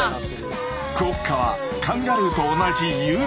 クオッカはカンガルーと同じ有袋類。